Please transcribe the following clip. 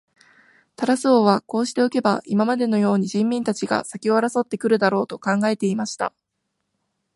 タラス王はこうしておけば、今までのように人民たちが先を争って来るだろう、と考えていました。